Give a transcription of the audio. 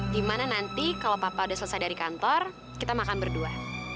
dimana nanti kalau papa udah selesai dari kantor kita makan berdua